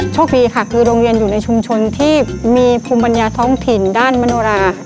โชคดีค่ะเรียนอยู่ในชุมชนที่มีภูมิภัณฑ์ท้องถิ่นด้านมนุฬา